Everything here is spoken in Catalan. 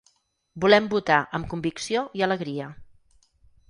Volem votar amb convicció i alegria.